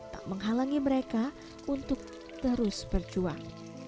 tak menghalangi mereka untuk terus berjuang